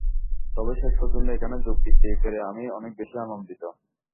তবে শেষ পর্যন্ত এখানে যোগ দিতে পেরে আমি অনেক বেশি আনন্দিত।